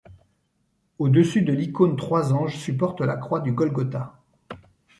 Au dessus de l'icône trois anges supportent la Croix du Golgotha.